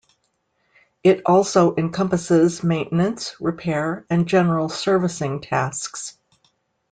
It also encompasses maintenance, repair, and general servicing tasks.